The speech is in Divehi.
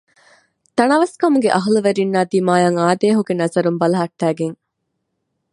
ތަނަވަސްކަމުގެ އަހްލުވެރީންނާ ދިމާޔަށް އާދޭހުގެ ނަޒަރުން ބަލަހައްޓައިގެން